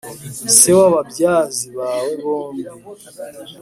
se w’ababyazi bawe bombi